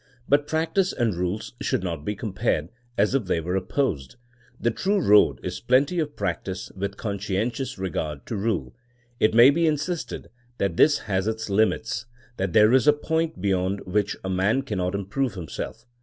But practice and rules should not be compared as if they were opposed. The true road is plenty of practice with conscientious regard to rule. It may be insisted that this has its limits ; that there is a point beyond which a man cannot improve himself.